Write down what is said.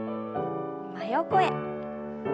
真横へ。